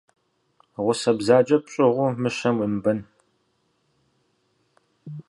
Гъусэ бзаджэ пщӏыгъуу мыщэм уемыбэн.